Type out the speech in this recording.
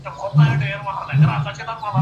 ته زموږ د کورنۍ برخه يې.